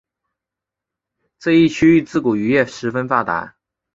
这一区域自古渔业十分发达。